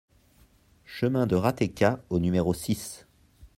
Chemin de Ratequats au numéro six